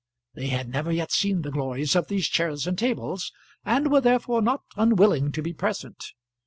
They had never yet seen the glories of these chairs and tables, and were therefore not unwilling to be present.